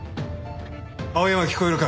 青山聞こえるか？